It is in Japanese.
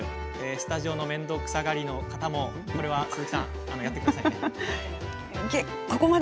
スタジオの面倒くさがりの方もちゃんとやってください。